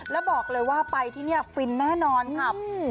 แล้วบอกเลยว่าไปที่นี่ฟินแน่นอนค่ะ